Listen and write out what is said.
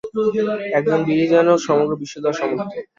একজন বীরই যেন সমগ্র বিশ্বজয়ে সমর্থ।